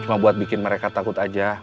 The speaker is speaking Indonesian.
cuma buat bikin mereka takut aja